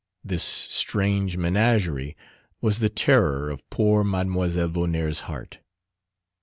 This strange menagerie was the terror of poor Mlle Vonnaert's heart.